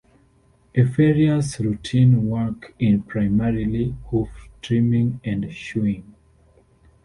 A farrier's routine work is primarily hoof trimming and shoeing.